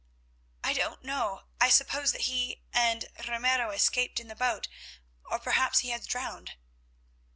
"I don't know. I suppose that he and Ramiro escaped in the boat, or perhaps he was drowned."